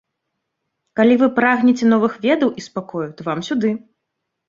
Калі вы прагнеце новых ведаў і спакою, то вам сюды!